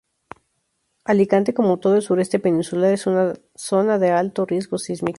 Alicante, como todo el sureste peninsular, es una zona de alto riesgo sísmico.